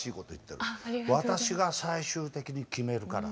「私が最終的に決めるから」